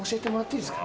いいですか？